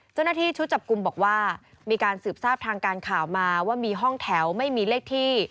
เจ้าหน้าที่ชุดจับกลุ่มบอกว่ามีการสืบทราบทางการข่าวมาว่ามีห้องแถวไม่มีเลขที่